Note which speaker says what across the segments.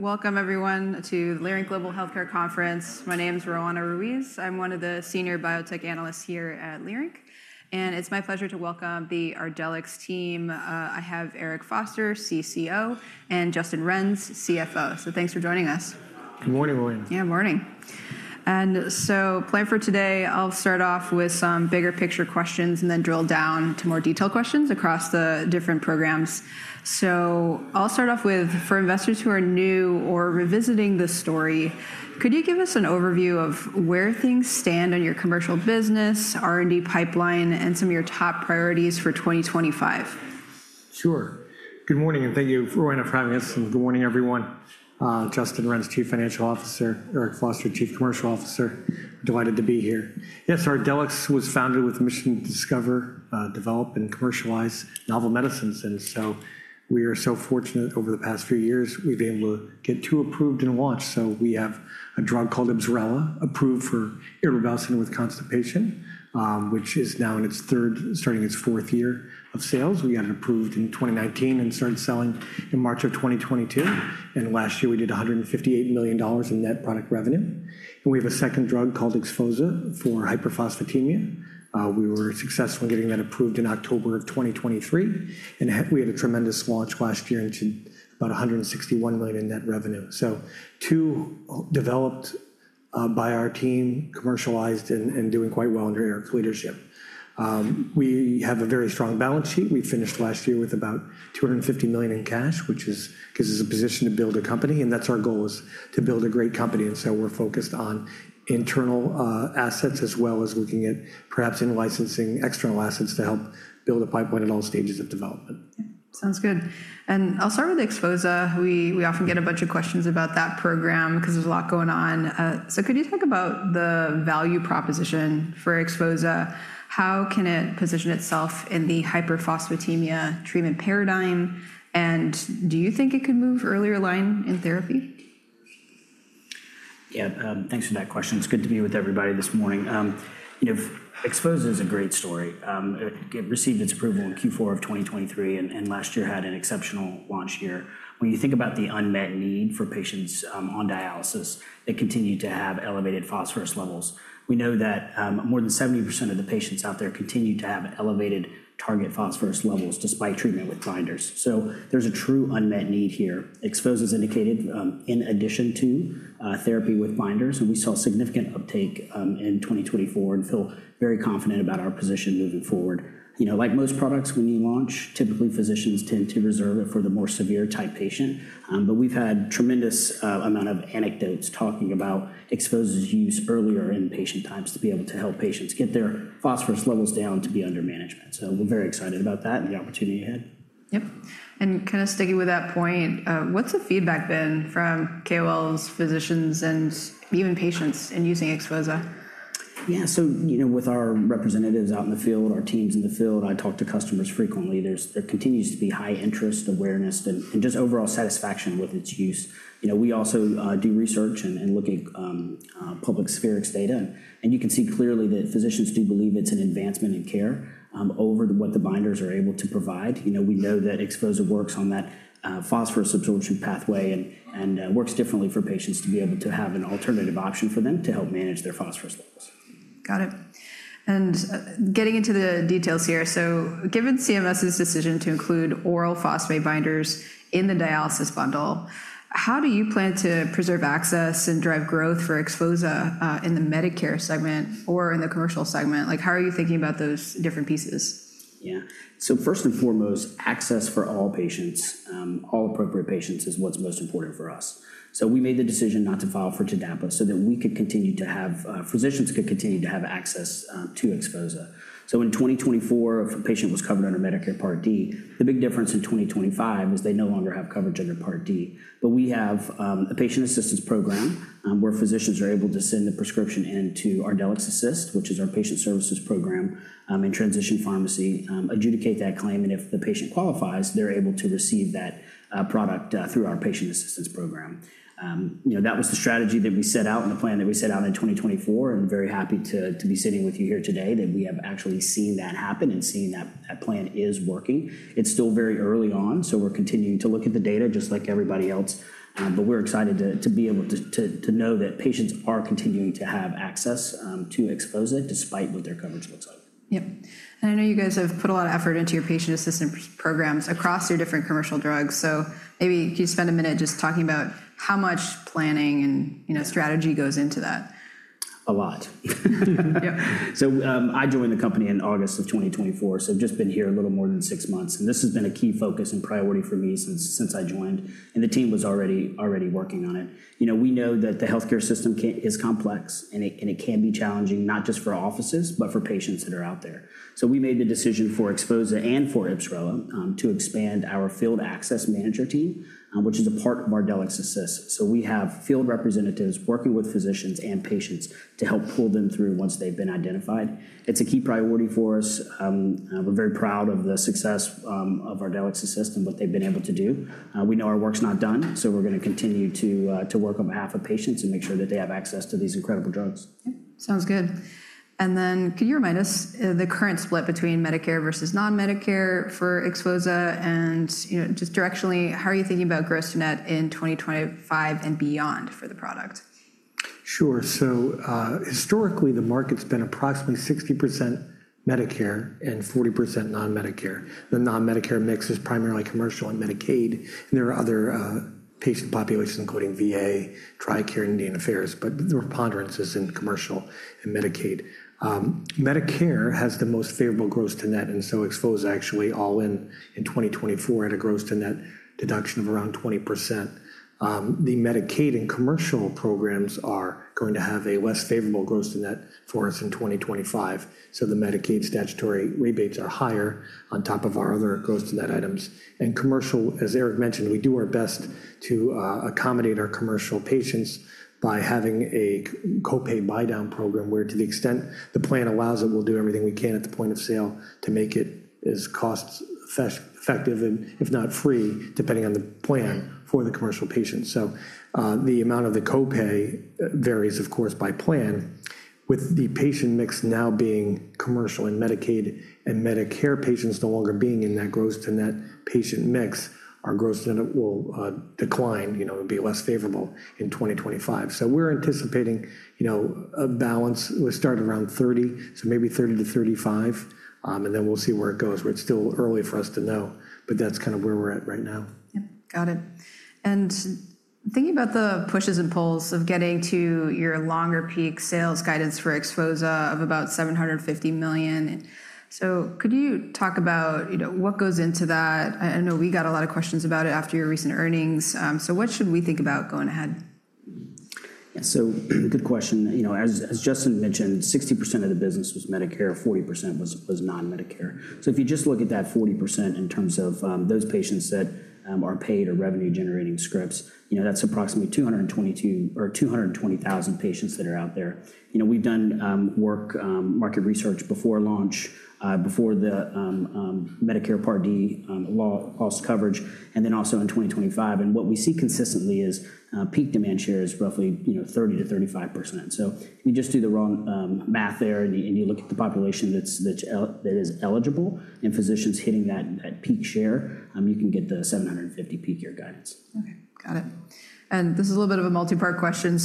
Speaker 1: Welcome, everyone, to the Leerink Global Healthcare Conference. My name is Roanna Ruiz. I'm one of the senior biotech analysts here at Leerink. It's my pleasure to welcome the Ardelyx team. I have Eric Foster, CCO, and Justin Renz, CFO. Thanks for joining us.
Speaker 2: Good morning, Williams.
Speaker 1: Yeah, morning. Plan for today, I'll start off with some bigger picture questions and then drill down to more detailed questions across the different programs. I'll start off with, for investors who are new or revisiting the story, could you give us an overview of where things stand on your commercial business, R&D pipeline, and some of your top priorities for 2025?
Speaker 2: Sure. Good morning. Thank you, Roanna, for having us. Good morning, everyone. Justin Renz, Chief Financial Officer; Eric Foster, Chief Commercial Officer. Delighted to be here. Ardelyx was founded with a mission to discover, develop, and commercialize novel medicines. We are so fortunate over the past few years, we've been able to get two approved and launched. We have a drug called IBSRELA approved for irritable bowel syndrome with constipation, which is now in its third, starting its fourth year of sales. We got it approved in 2019 and started selling in March of 2022. Last year, we did $158 million in net product revenue. We have a second drug called XPHOZAH for hyperphosphatemia. We were successful in getting that approved in October of 2023. We had a tremendous launch last year into about $161 million in net revenue. Two developed by our team, commercialized, and doing quite well under Eric's leadership. We have a very strong balance sheet. We finished last year with about $250 million in cash, which gives us a position to build a company. That's our goal, to build a great company. We are focused on internal assets as well as looking at perhaps licensing external assets to help build a pipeline at all stages of development.
Speaker 1: Sounds good. I'll start with XPHOZAH. We often get a bunch of questions about that program because there's a lot going on. Could you talk about the value proposition for XPHOZAH? How can it position itself in the hyperphosphatemia treatment paradigm? Do you think it could move earlier line in therapy?
Speaker 3: Yeah, thanks for that question. It's good to be with everybody this morning. XPHOZAH is a great story. It received its approval in Q4 of 2023 and last year had an exceptional launch year. When you think about the unmet need for patients on dialysis that continue to have elevated phosphorus levels, we know that more than 70% of the patients out there continue to have elevated target phosphorus levels despite treatment with binders. There is a true unmet need here. XPHOZAH is indicated in addition to therapy with binders. We saw significant uptake in 2024 and feel very confident about our position moving forward. Like most products when you launch, typically physicians tend to reserve it for the more severe type patient. We've had a tremendous amount of anecdotes talking about XPHOZAH's use earlier in patient times to be able to help patients get their phosphorus levels down to be under management. We are very excited about that and the opportunity ahead.
Speaker 1: Yep. And kind of sticking with that point, what's the feedback been from KOLs, physicians, and even patients in using XPHOZAH?
Speaker 3: Yeah, with our representatives out in the field, our teams in the field, I talk to customers frequently. There continues to be high interest, awareness, and just overall satisfaction with its use. We also do research and look at public Spherix data. You can see clearly that physicians do believe it's an advancement in care over what the binders are able to provide. We know that XPHOZAH works on that phosphorus absorption pathway and works differently for patients to be able to have an alternative option for them to help manage their phosphorus levels.
Speaker 1: Got it. Getting into the details here, given CMS's decision to include oral phosphate binders in the dialysis bundle, how do you plan to preserve access and drive growth for XPHOZAH in the Medicare segment or in the commercial segment? How are you thinking about those different pieces?
Speaker 3: Yeah, first and foremost, access for all patients, all appropriate patients, is what's most important for us. We made the decision not to file for TDAPA so that we could continue to have physicians continue to have access to XPHOZAH. In 2024, if a patient was covered under Medicare Part D, the big difference in 2025 is they no longer have coverage under Part D. We have a patient assistance program where physicians are able to send the prescription into Ardelyx Assist, which is our patient services program in transition pharmacy, adjudicate that claim. If the patient qualifies, they're able to receive that product through our patient assistance program. That was the strategy that we set out and the plan that we set out in 2024. Very happy to be sitting with you here today that we have actually seen that happen and seen that plan is working. It's still very early on. We are continuing to look at the data just like everybody else. We are excited to be able to know that patients are continuing to have access to XPHOZAH despite what their coverage looks like.
Speaker 4: Yep. I know you guys have put a lot of effort into your patient assistance programs across your different commercial drugs. Maybe could you spend a minute just talking about how much planning and strategy goes into that?
Speaker 3: A lot. I joined the company in August of 2024. I have just been here a little more than six months. This has been a key focus and priority for me since I joined. The team was already working on it. We know that the healthcare system is complex and it can be challenging, not just for offices, but for patients that are out there. We made the decision for XPHOZAH and for IBSRELA to expand our field access manager team, which is a part of Ardelyx Assist. We have field representatives working with physicians and patients to help pull them through once they have been identified. It is a key priority for us. We are very proud of the success of Ardelyx Assist and what they have been able to do. We know our work is not done. We are going to continue to work on behalf of patients and make sure that they have access to these incredible drugs.
Speaker 1: Sounds good. Could you remind us the current split between Medicare versus non-Medicare for XPHOZAH? Just directionally, how are you thinking about gross to net in 2025 and beyond for the product?
Speaker 2: Sure. Historically, the market's been approximately 60% Medicare and 40% non-Medicare. The non-Medicare mix is primarily commercial and Medicaid. There are other patient populations, including VA, TRICARE, and Indian Affairs. The preponderance is in commercial and Medicaid. Medicare has the most favorable gross to net. XPHOZAH actually all in in 2024 had a gross to net deduction of around 20%. The Medicaid and commercial programs are going to have a less favorable gross to net for us in 2025. The Medicaid statutory rebates are higher on top of our other gross to net items. Commercial, as Eric mentioned, we do our best to accommodate our commercial patients by having a copay buy-down program where, to the extent the plan allows it, we'll do everything we can at the point of sale to make it as cost-effective and, if not free, depending on the plan for the commercial patients. The amount of the copay varies, of course, by plan. With the patient mix now being commercial and Medicaid and Medicare patients no longer being in that gross to net patient mix, our gross to net will decline. It'll be less favorable in 2025. We are anticipating a balance. We started around 30, so maybe 30-35. We will see where it goes. It's still early for us to know. That's kind of where we're at right now.
Speaker 1: Yep. Got it. Thinking about the pushes and pulls of getting to your longer peak sales guidance for XPHOZAH of about $750 million. Could you talk about what goes into that? I know we got a lot of questions about it after your recent earnings. What should we think about going ahead?
Speaker 3: Yeah, so good question. As Justin mentioned, 60% of the business was Medicare, 40% was non-Medicare. If you just look at that 40% in terms of those patients that are paid or revenue-generating scripts, that's approximately 220,000 patients that are out there. We've done market research before launch, before the Medicare Part D loss coverage, and then also in 2025. What we see consistently is peak demand share is roughly 30-35%. If you just do the wrong math there and you look at the population that is eligible and physicians hitting that peak share, you can get the $750 million peak year guidance.
Speaker 1: Okay. Got it. This is a little bit of a multi-part question.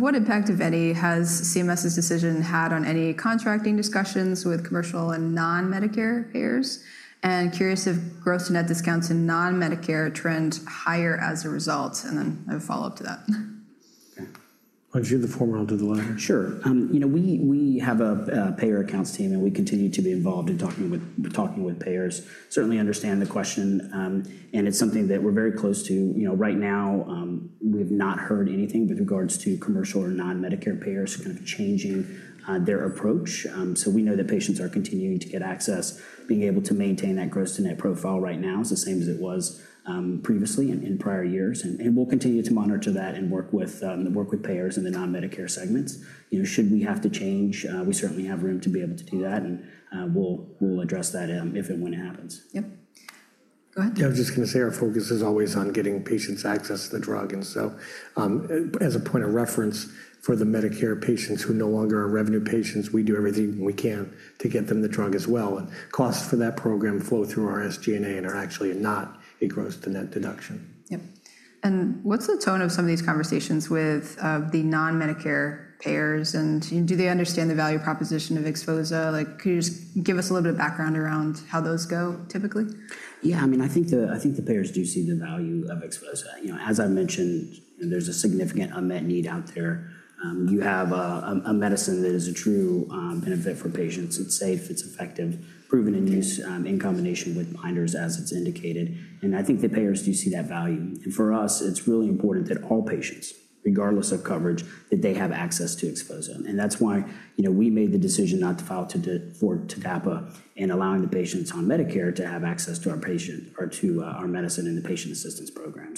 Speaker 1: What impact, if any, has CMS's decision had on any contracting discussions with commercial and non-Medicare payers? Curious if gross to net discounts in non-Medicare trend higher as a result. I'll follow up to that.
Speaker 2: Okay. Want to give the floor to the latter?
Speaker 3: Sure. We have a payer accounts team, and we continue to be involved in talking with payers. Certainly understand the question. It is something that we are very close to. Right now, we have not heard anything with regards to commercial or non-Medicare payers kind of changing their approach. We know that patients are continuing to get access. Being able to maintain that gross to net profile right now is the same as it was previously and in prior years. We will continue to monitor that and work with payers in the non-Medicare segments. Should we have to change, we certainly have room to be able to do that. We will address that if and when it happens.
Speaker 1: Yep. Go ahead.
Speaker 2: Yeah, I was just going to say our focus is always on getting patients access to the drug. As a point of reference, for the Medicare patients who no longer are revenue patients, we do everything we can to get them the drug as well. Costs for that program flow through our SG&A and are actually not a gross to net deduction.
Speaker 1: Yep. What's the tone of some of these conversations with the non-Medicare payers? Do they understand the value proposition of Exfosa? Could you just give us a little bit of background around how those go typically?
Speaker 3: Yeah, I mean, I think the payers do see the value of XPHOZAH. As I mentioned, there's a significant unmet need out there. You have a medicine that is a true benefit for patients. It's safe. It's effective, proven in use in combination with binders as it's indicated. I think the payers do see that value. For us, it's really important that all patients, regardless of coverage, that they have access to XPHOZAH. That's why we made the decision not to file for TDAPA and allowing the patients on Medicare to have access to our medicine in the patient assistance program.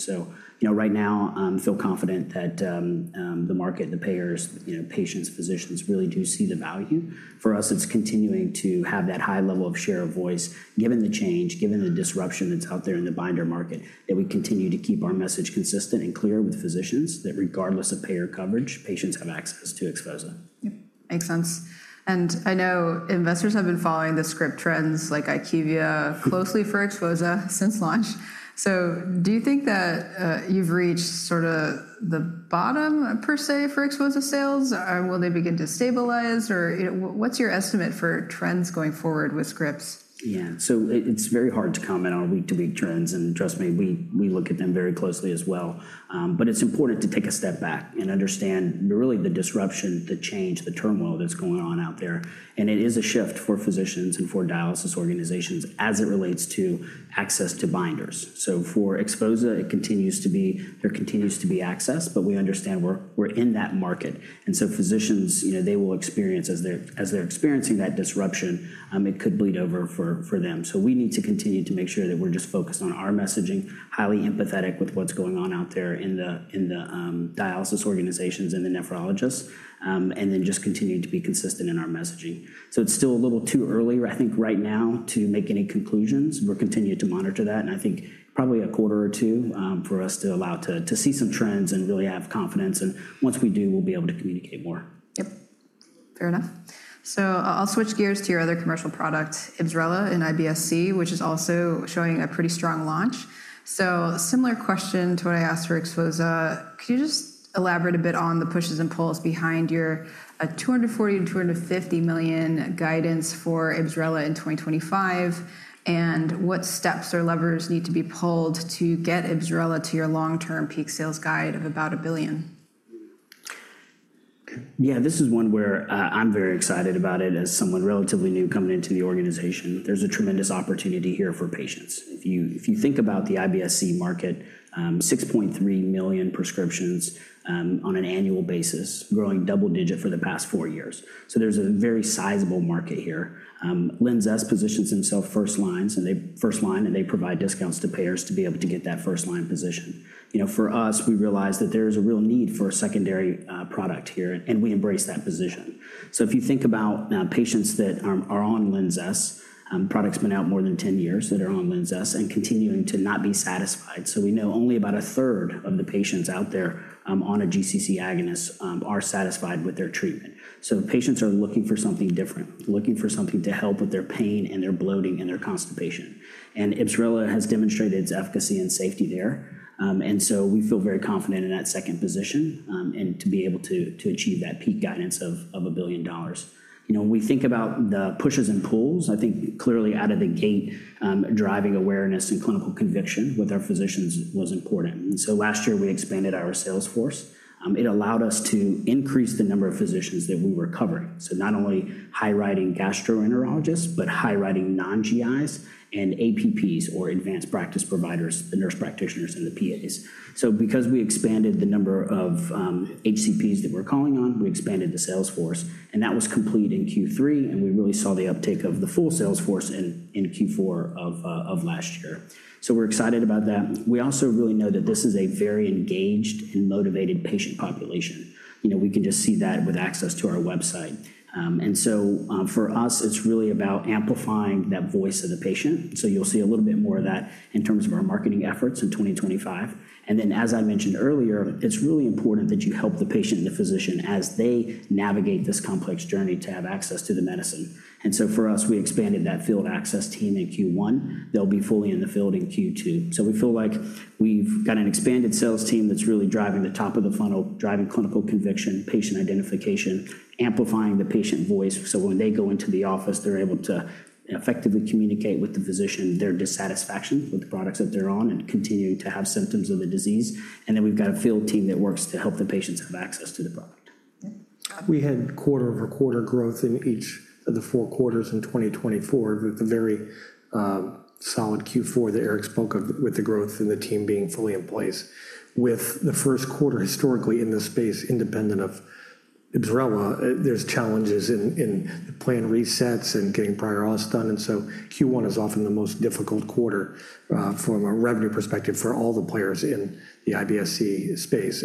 Speaker 3: Right now, I feel confident that the market, the payers, patients, physicians really do see the value. For us, it's continuing to have that high level of share of voice, given the change, given the disruption that's out there in the binder market, that we continue to keep our message consistent and clear with physicians that regardless of payer coverage, patients have access to XPHOZAH.
Speaker 1: Makes sense. I know investors have been following the Script trends like IQVIA closely for XPHOZAH since launch. Do you think that you've reached sort of the bottom per se for XPHOZAH sales? Will they begin to stabilize? What's your estimate for trends going forward with Scripts?
Speaker 3: Yeah, so it's very hard to comment on week-to-week trends. Trust me, we look at them very closely as well. It is important to take a step back and understand really the disruption, the change, the turmoil that's going on out there. It is a shift for physicians and for dialysis organizations as it relates to access to binders. For XPHOZAH, there continues to be access, but we understand we're in that market. Physicians will experience, as they're experiencing that disruption, it could bleed over for them. We need to continue to make sure that we're just focused on our messaging, highly empathetic with what's going on out there in the dialysis organizations and the nephrologists, and then just continue to be consistent in our messaging. It is still a little too early, I think, right now to make any conclusions. We're continuing to monitor that. I think probably a quarter or two for us to allow to see some trends and really have confidence. Once we do, we'll be able to communicate more.
Speaker 1: Yep. Fair enough. I'll switch gears to your other commercial product, IBSRELA in IBSC, which is also showing a pretty strong launch. Similar question to what I asked for Exfosa. Could you just elaborate a bit on the pushes and pulls behind your $240-$250 million guidance for IBSRELA in 2025? What steps or levers need to be pulled to get IBSRELA to your long-term peak sales guide of about a billion?
Speaker 3: Yeah, this is one where I'm very excited about it as someone relatively new coming into the organization. There's a tremendous opportunity here for patients. If you think about the IBS-C market, 6.3 million prescriptions on an annual basis, growing double-digit for the past four years. There is a very sizable market here. Linzess positions themselves first line, and they provide discounts to payers to be able to get that first-line position. For us, we realize that there is a real need for a secondary product here, and we embrace that position. If you think about patients that are on Linzess, products have been out more than 10 years that are on Linzess and continuing to not be satisfied. We know only about a third of the patients out there on a GCC agonist are satisfied with their treatment. Patients are looking for something different, looking for something to help with their pain and their bloating and their constipation. IBSRELA has demonstrated its efficacy and safety there. We feel very confident in that second position and to be able to achieve that peak guidance of a billion dollars. When we think about the pushes and pulls, I think clearly out of the gate, driving awareness and clinical conviction with our physicians was important. Last year, we expanded our sales force. It allowed us to increase the number of physicians that we were covering. Not only high-riding gastroenterologists, but high-riding non-GIs and APPs or advanced practice providers, the nurse practitioners and the PAs. Because we expanded the number of HCPs that we're calling on, we expanded the sales force. That was complete in Q3. We really saw the uptake of the full sales force in Q4 of last year. We are excited about that. We also really know that this is a very engaged and motivated patient population. We can just see that with access to our website. For us, it is really about amplifying that voice of the patient. You will see a little bit more of that in terms of our marketing efforts in 2025. As I mentioned earlier, it is really important that you help the patient and the physician as they navigate this complex journey to have access to the medicine. For us, we expanded that field access team in Q1. They will be fully in the field in Q2. We feel like we've got an expanded sales team that's really driving the top of the funnel, driving clinical conviction, patient identification, amplifying the patient voice. When they go into the office, they're able to effectively communicate with the physician their dissatisfaction with the products that they're on and continuing to have symptoms of the disease. We've got a field team that works to help the patients have access to the product.
Speaker 2: We had quarter-over-quarter growth in each of the four quarters in 2024 with a very solid Q4 that Eric spoke of with the growth and the team being fully in place. With the first quarter historically in the space, independent of IBSRELA, there's challenges in plan resets and getting prior auth done. Q1 is often the most difficult quarter from a revenue perspective for all the players in the IBS-C space.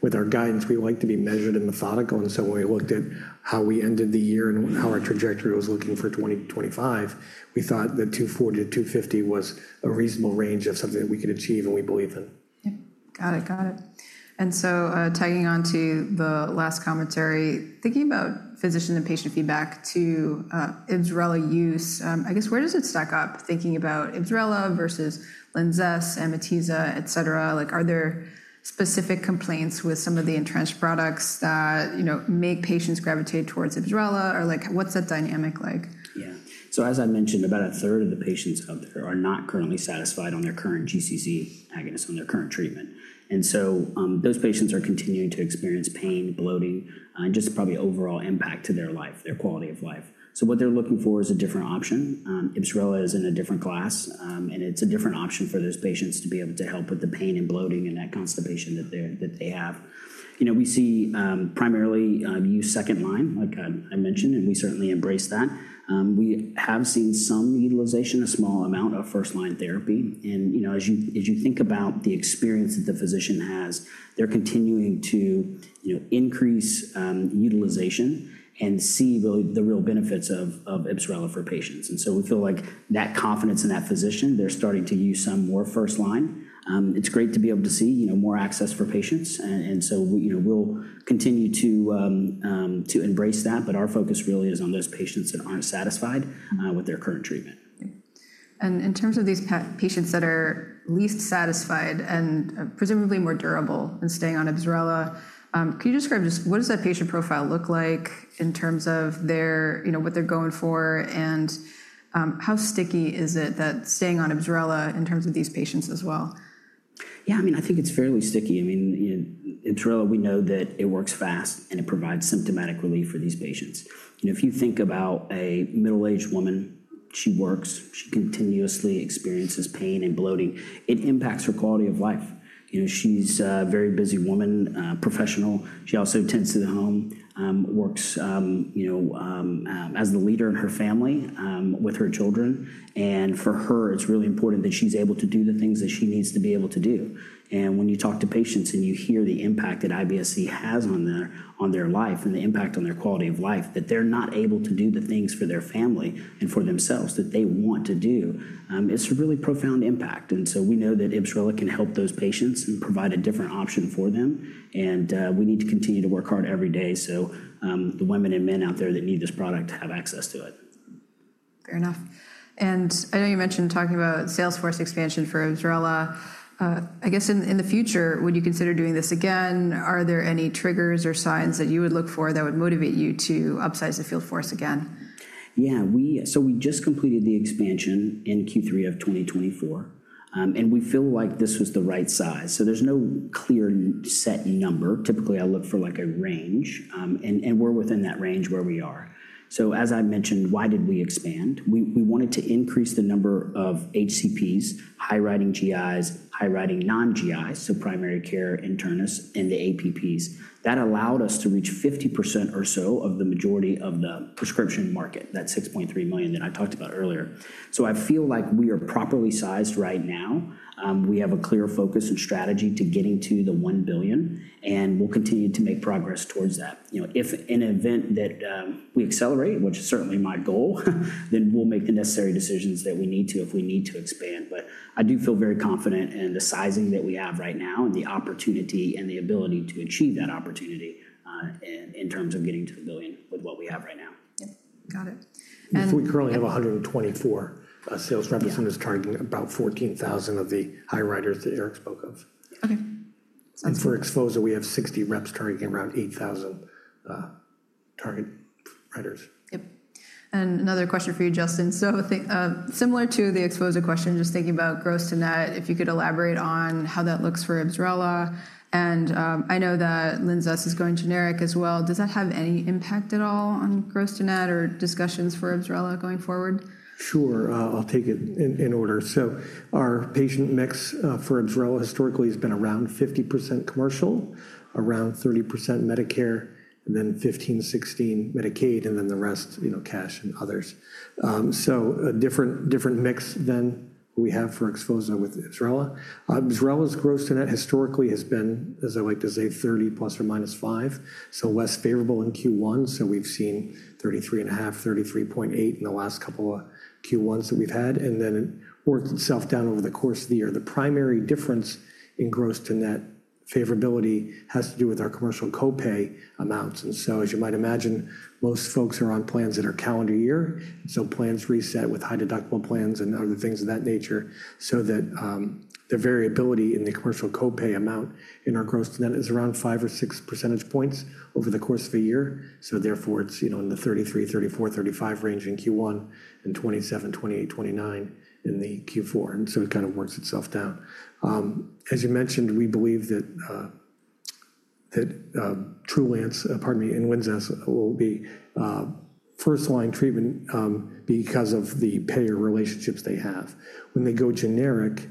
Speaker 2: With our guidance, we like to be measured and methodical. When we looked at how we ended the year and how our trajectory was looking for 2025, we thought that $240 million-$250 million was a reasonable range of something that we could achieve and we believe in.
Speaker 1: Yep. Got it. Got it. Tagging on to the last commentary, thinking about physician and patient feedback to IBSRELA use, I guess where does it stack up thinking about IBSRELA versus Linzess, Amitiza, etc.? Are there specific complaints with some of the entrenched products that make patients gravitate towards IBSRELA? What's that dynamic like?
Speaker 3: Yeah. As I mentioned, about a third of the patients out there are not currently satisfied on their current GCC agonist, on their current treatment. Those patients are continuing to experience pain, bloating, and just probably overall impact to their life, their quality of life. What they're looking for is a different option. IBSRELA is in a different class. It's a different option for those patients to be able to help with the pain and bloating and that constipation that they have. We see primarily use second line, like I mentioned, and we certainly embrace that. We have seen some utilization, a small amount of first-line therapy. As you think about the experience that the physician has, they're continuing to increase utilization and see the real benefits of IBSRELA for patients. We feel like that confidence in that physician, they're starting to use some more first line. It's great to be able to see more access for patients. We will continue to embrace that. Our focus really is on those patients that aren't satisfied with their current treatment.
Speaker 1: In terms of these patients that are least satisfied and presumably more durable in staying on IBSRELA, could you describe just what does that patient profile look like in terms of what they're going for? How sticky is it that staying on IBSRELA in terms of these patients as well?
Speaker 3: Yeah, I mean, I think it's fairly sticky. I mean, IBSRELA, we know that it works fast and it provides symptomatic relief for these patients. If you think about a middle-aged woman, she works, she continuously experiences pain and bloating. It impacts her quality of life. She's a very busy woman, professional. She also tends to the home, works as the leader in her family with her children. For her, it's really important that she's able to do the things that she needs to be able to do. When you talk to patients and you hear the impact that IBS-C has on their life and the impact on their quality of life, that they're not able to do the things for their family and for themselves that they want to do, it's a really profound impact. We know that IBSRELA can help those patients and provide a different option for them. We need to continue to work hard every day so the women and men out there that need this product have access to it.
Speaker 1: Fair enough. I know you mentioned talking about sales force expansion for IBSRELA. I guess in the future, would you consider doing this again? Are there any triggers or signs that you would look for that would motivate you to upsize the field force again?
Speaker 3: Yeah. We just completed the expansion in Q3 of 2024. We feel like this was the right size. There is no clear set number. Typically, I look for a range, and we are within that range where we are. As I mentioned, why did we expand? We wanted to increase the number of HCPs, high-riding GIs, high-riding non-GIs, so primary care, internists, and the APPs. That allowed us to reach 50% or so of the majority of the prescription market, that 6.3 million that I talked about earlier. I feel like we are properly sized right now. We have a clear focus and strategy to getting to the $1 billion. We will continue to make progress towards that. If in an event that we accelerate, which is certainly my goal, we will make the necessary decisions that we need to if we need to expand. I do feel very confident in the sizing that we have right now and the opportunity and the ability to achieve that opportunity in terms of getting to the billion with what we have right now.
Speaker 1: Yep. Got it.
Speaker 2: We currently have 124 sales reps. I'm just targeting about 14,000 of the high writers that Eric spoke of.
Speaker 1: Okay.
Speaker 2: For XPHOZAH, we have 60 reps targeting around 8,000 target writers.
Speaker 1: Yep. Another question for you, Justin. Similar to the XPHOZAH question, just thinking about gross to net, if you could elaborate on how that looks for IBSRELA. I know that Linzess is going generic as well. Does that have any impact at all on gross to net or discussions for IBSRELA going forward?
Speaker 2: Sure. I'll take it in order. Our patient mix for IBSRELA historically has been around 50% commercial, around 30% Medicare, then 15-16% Medicaid, and then the rest cash and others. A different mix than we have for XPHOZAH with IBSRELA. IBSRELA's gross to net historically has been, as I like to say, 30% plus or minus 5%, so less favorable in Q1. We have seen 33.5%, 33.8% in the last couple of Q1s that we have had. It worked itself down over the course of the year. The primary difference in gross to net favorability has to do with our commercial copay amounts. As you might imagine, most folks are on plans that are calendar year. Plans reset with high deductible plans and other things of that nature so that the variability in the commercial copay amount in our gross to net is around 5 or 6 percentage points over the course of a year. Therefore, it's in the 33-35% range in Q1 and 27-29% in Q4. It kind of works itself down. As you mentioned, we believe that Trulance, pardon me, and Linzess will be first-line treatment because of the payer relationships they have. When they go generic,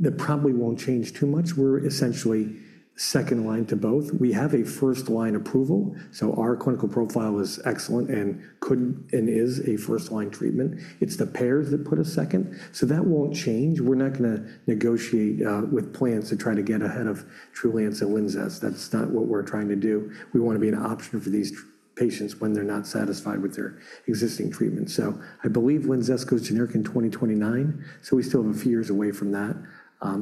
Speaker 2: that probably won't change too much. We're essentially second line to both. We have a first-line approval. Our clinical profile is excellent and is a first-line treatment. It's the payers that put us second. That won't change. We're not going to negotiate with plans to try to get ahead of Trulance and Linzess. That's not what we're trying to do. We want to be an option for these patients when they're not satisfied with their existing treatment. I believe Linzess goes generic in 2029. We still have a few years away from that.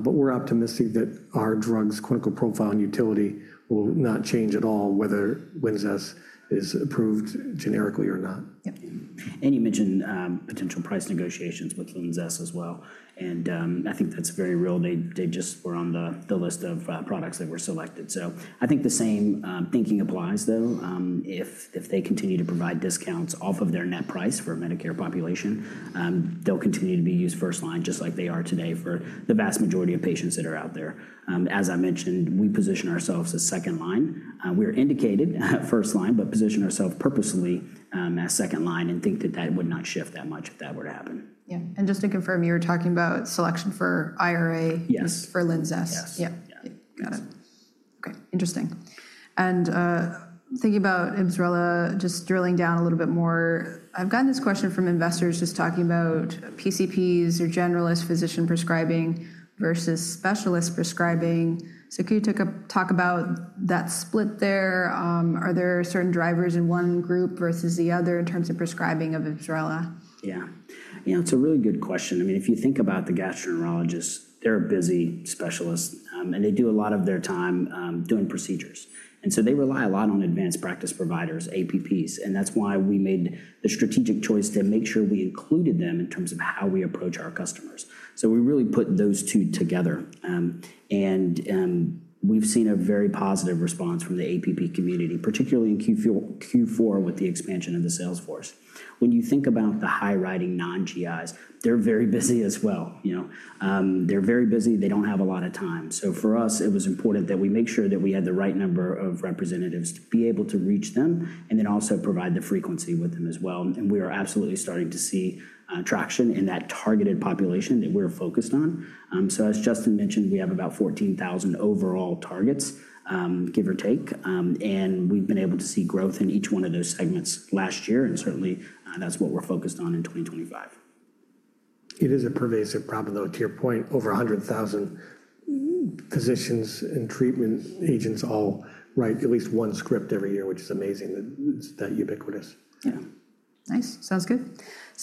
Speaker 2: We're optimistic that our drug's clinical profile and utility will not change at all whether Linzess is approved generically or not.
Speaker 1: Yep. You mentioned potential price negotiations with Linzess as well. I think that's very real. They just were on the list of products that were selected. I think the same thinking applies, though. If they continue to provide discounts off of their net price for Medicare population, they'll continue to be used first line just like they are today for the vast majority of patients that are out there. As I mentioned, we position ourselves as second line. We're indicated first line, but position ourselves purposely as second line and think that that would not shift that much if that were to happen. Yeah. Just to confirm, you were talking about selection for IRA for Linzess.
Speaker 3: Yes.
Speaker 1: Yep. Got it. Okay. Interesting. Thinking about IBSRELA, just drilling down a little bit more, I've gotten this question from investors just talking about PCPs or generalist physician prescribing versus specialist prescribing. Could you talk about that split there? Are there certain drivers in one group versus the other in terms of prescribing of IBSRELA?
Speaker 3: Yeah. Yeah, it's a really good question. I mean, if you think about the gastroenterologists, they're a busy specialist. They do a lot of their time doing procedures. They rely a lot on advanced practice providers, APPs. That's why we made the strategic choice to make sure we included them in terms of how we approach our customers. We really put those two together. We've seen a very positive response from the APP community, particularly in Q4 with the expansion of the sales force. When you think about the high-riding non-GIs, they're very busy as well. They're very busy. They don't have a lot of time. For us, it was important that we make sure that we had the right number of representatives to be able to reach them and then also provide the frequency with them as well. We are absolutely starting to see traction in that targeted population that we're focused on. As Justin mentioned, we have about 14,000 overall targets, give or take. We have been able to see growth in each one of those segments last year. Certainly, that's what we're focused on in 2025.
Speaker 2: It is a pervasive problem, though, to your point, over 100,000 physicians and treatment agents all write at least one script every year, which is amazing. It's that ubiquitous.
Speaker 1: Yeah. Nice. Sounds good.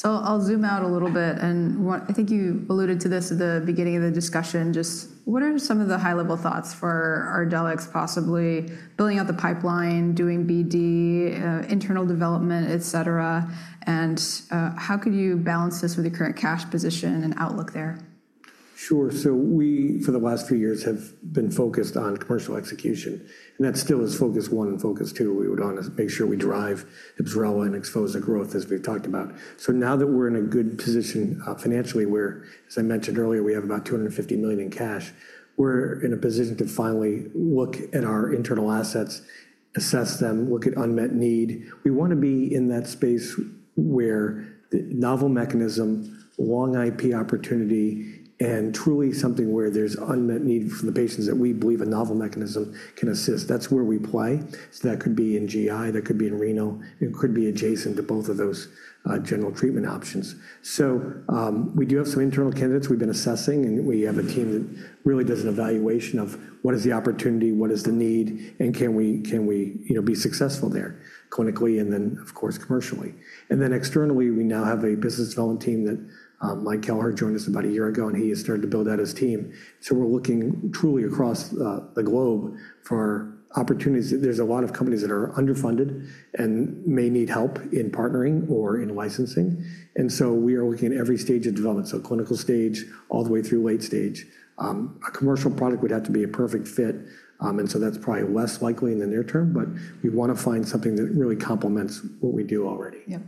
Speaker 1: I'll zoom out a little bit. I think you alluded to this at the beginning of the discussion. Just what are some of the high-level thoughts for Ardelyx, possibly building out the pipeline, doing BD, internal development, etc.? How could you balance this with your current cash position and outlook there?
Speaker 2: Sure. We, for the last few years, have been focused on commercial execution. That still is focus one and focus two. We would want to make sure we drive IBSRELA and XPHOZAH growth, as we've talked about. Now that we're in a good position financially, where, as I mentioned earlier, we have about $250 million in cash, we're in a position to finally look at our internal assets, assess them, look at unmet need. We want to be in that space where the novel mechanism, long IP opportunity, and truly something where there's unmet need for the patients that we believe a novel mechanism can assist. That's where we play. That could be in GI, that could be in renal, and it could be adjacent to both of those general treatment options. We do have some internal candidates we've been assessing. We have a team that really does an evaluation of what is the opportunity, what is the need, and can we be successful there clinically and then, of course, commercially. Externally, we now have a business development team that Mike Calhart joined about a year ago, and he has started to build out his team. We are looking truly across the globe for opportunities. There are a lot of companies that are underfunded and may need help in partnering or in licensing. We are looking at every stage of development, so clinical stage all the way through late stage. A commercial product would have to be a perfect fit. That is probably less likely in the near term. We want to find something that really complements what we do already.
Speaker 1: Yep.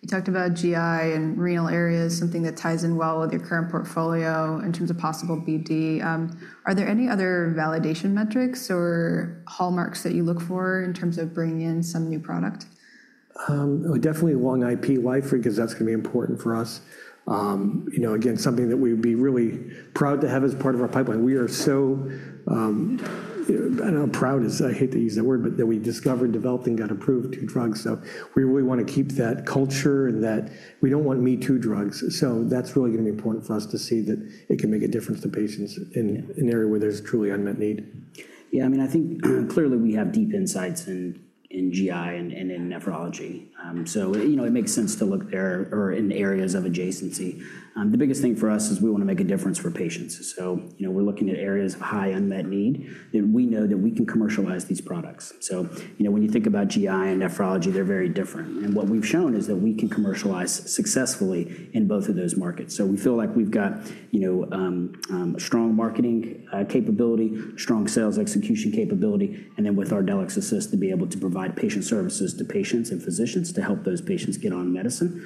Speaker 1: You talked about GI and renal areas, something that ties in well with your current portfolio in terms of possible BD. Are there any other validation metrics or hallmarks that you look for in terms of bringing in some new product?
Speaker 2: Definitely long IP life because that's going to be important for us. Again, something that we would be really proud to have as part of our pipeline. We are so, I don't know if proud is, I hate to use that word, but that we discovered, developed, and got approved the drug. We really want to keep that culture and that we don't want me too drugs. That's really going to be important for us to see that it can make a difference to patients in an area where there's truly unmet need.
Speaker 3: Yeah. I mean, I think clearly we have deep insights in GI and in nephrology. It makes sense to look there or in areas of adjacency. The biggest thing for us is we want to make a difference for patients. We are looking at areas of high unmet need that we know that we can commercialize these products. When you think about GI and nephrology, they are very different. What we have shown is that we can commercialize successfully in both of those markets. We feel like we have got strong marketing capability, strong sales execution capability, and then with Ardelyx Assist to be able to provide patient services to patients and physicians to help those patients get on medicine.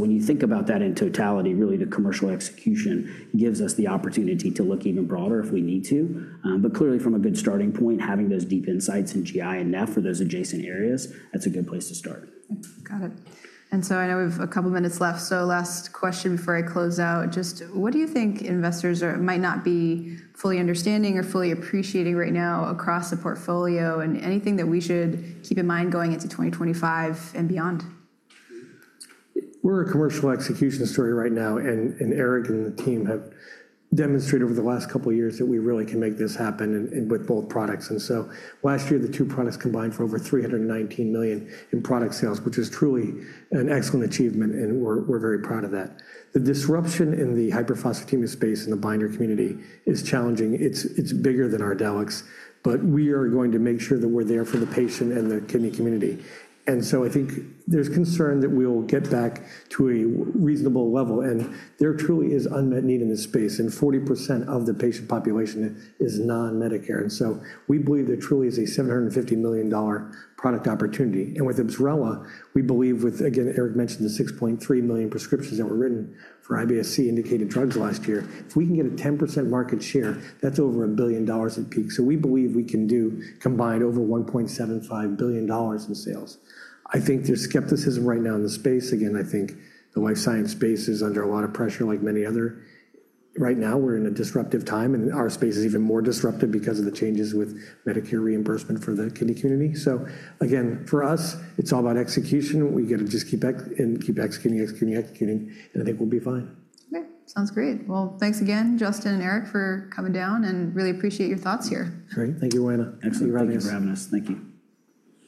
Speaker 3: When you think about that in totality, really the commercial execution gives us the opportunity to look even broader if we need to. Clearly, from a good starting point, having those deep insights in GI and nephrology for those adjacent areas, that's a good place to start.
Speaker 1: Got it. I know we have a couple of minutes left. Last question before I close out. Just what do you think investors might not be fully understanding or fully appreciating right now across the portfolio, and anything that we should keep in mind going into 2025 and beyond?
Speaker 2: We're a commercial execution story right now. Eric and the team have demonstrated over the last couple of years that we really can make this happen with both products. Last year, the two products combined for over $319 million in product sales, which is truly an excellent achievement. We're very proud of that. The disruption in the hyperphosphatemia space in the binder community is challenging. It's bigger than Ardelyx. We are going to make sure that we're there for the patient and the kidney community. I think there's concern that we'll get back to a reasonable level. There truly is unmet need in this space. 40% of the patient population is non-Medicare. We believe there truly is a $750 million product opportunity. With IBSRELA, we believe, with, again, Eric mentioned the 6.3 million prescriptions that were written for IBS-C indicated drugs last year, if we can get a 10% market share, that's over $1 billion at peak. We believe we can do combined over $1.75 billion in sales. I think there's skepticism right now in the space. I think the life science space is under a lot of pressure, like many others. Right now, we're in a disruptive time. Our space is even more disruptive because of the changes with Medicare reimbursement for the kidney community. For us, it's all about execution. We got to just keep executing, executing, executing. I think we'll be fine.
Speaker 1: Okay. Sounds great. Thanks again, Justin and Eric, for coming down. I really appreciate your thoughts here.
Speaker 2: Great. Thank you, Roanna.
Speaker 3: Thank you for having us. Thank you.